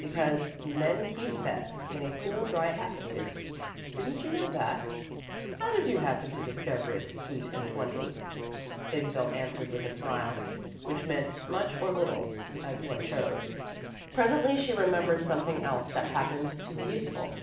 "Because men keep best in a cool dry atmosphere. Didn't you know that?" "How did you happen to discover it, Sweet and Twenty?" Isabel answered with a smile, which meant much or little, as one chose. Presently she remembered something else that happened to be useful.